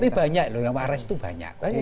tapi banyak loh yang wares itu banyak